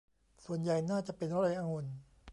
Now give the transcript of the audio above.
ส่วนใหญ่น่าจะเป็นไร่องุ่น